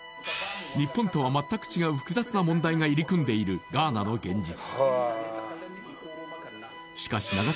日本とは全く違う複雑な問題が入り組んでいるガーナの現実